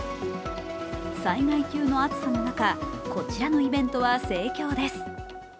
災害級の暑さの中、こちらのイベントは盛況です。